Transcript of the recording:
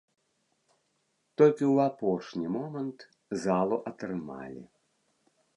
Толькі ў апошні момант залу атрымалі.